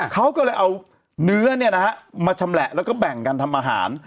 เขาก็เลยเอาเนื้อมาชำแหละแล้วก็แบ่งกันทำอาหาร